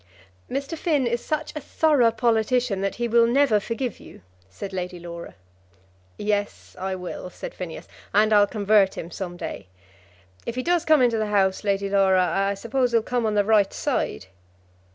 "Mr. Finn is such a thorough politician that he will never forgive you," said Lady Laura. "Yes, I will," said Phineas, "and I'll convert him some day. If he does come into the House, Lady Laura, I suppose he'll come on the right side?"